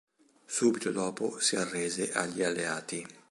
Subito dopo si arrese agli Alleati.